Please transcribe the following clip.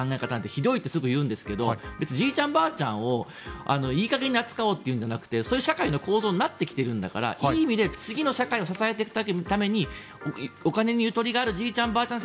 ひどいってすぐ言うんですけどじいちゃん、ばあちゃんをいい加減に扱おうじゃなくてそういう社会の構造になっているんだからいい意味で次の社会を支えていくためにお金にゆとりがあるじいちゃんばあちゃん